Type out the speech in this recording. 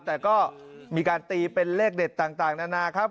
แต่ก็มีการตีเป็นเลขเด็ดต่างนานาครับ